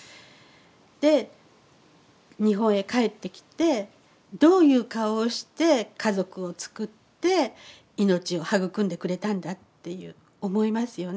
で日本へ帰ってきてどういう顔をして家族をつくって命を育んでくれたんだっていう思いますよね。